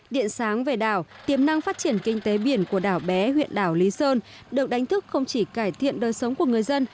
điện sáng về đảo tiềm năng phát triển kinh tế biển của đảo bé huyện đảo lý sơn được đánh thức không chỉ cải thiện đời sống của người dân